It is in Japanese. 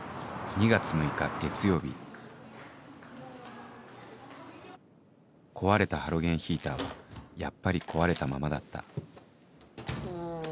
２月６日月曜日壊れたハロゲンヒーターはやっぱり壊れたままだったうん。